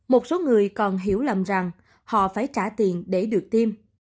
một số người còn hiểu lầm rằng họ phải trả tiền để được tiêm